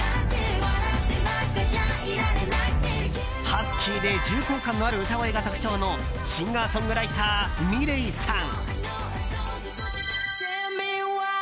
ハスキーで重厚感のある歌声が特徴のシンガーソングライターｍｉｌｅｔさん。